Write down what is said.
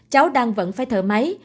cháu đang vẫn phải thở máy